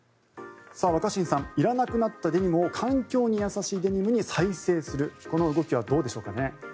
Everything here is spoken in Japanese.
若新さんいらなくなったデニムを環境に優しいデニムに再生するこの動きはどうでしょうかね。